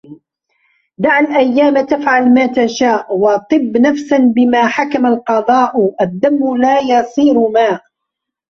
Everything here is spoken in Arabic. دع الأيام تفعل ما تشاء وطب نفسا بما حكم القضاء الدم لا يصير ماء